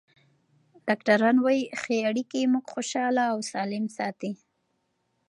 ډاکټران وايي ښه اړیکې موږ خوشحاله او سالم ساتي.